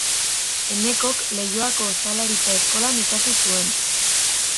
Enekok Leioako Ostalaritza Eskolan ikasi zuen.